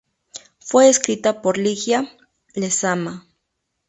Fue escrita por Ligia Lezama.